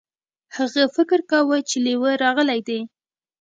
هغه فکر کاوه چې لیوه راغلی دی.